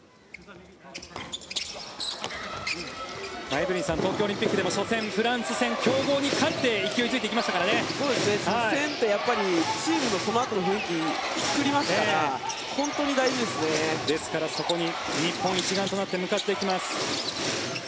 エブリンさん東京オリンピックでも初戦、フランス戦強豪に勝って初戦ってやっぱりチームのそのあとの雰囲気を作りますからですから、そこに日本一丸となって向かっていきます。